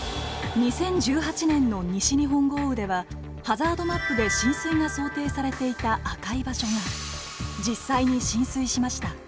２０１８年の西日本豪雨ではハザードマップで浸水が想定されていた赤い場所が実際に浸水しました。